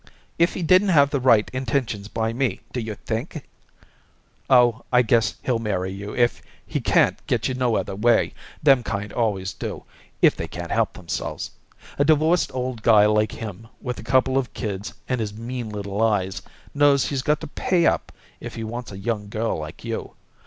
If he didn't have the right intentions by me do you think " "Oh, I guess he'll marry you if he can't get you no other way. Them kind always do if they can't help themselves. A divorced old guy like him, with a couple of kids and his mean little eyes, knows he's got to pay up if he wants a young girl like you.